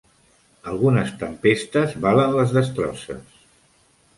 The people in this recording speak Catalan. Algunes tempestes valen les destrosses.